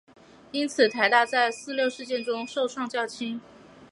因此台大在四六事件中受创较轻。